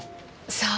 さあ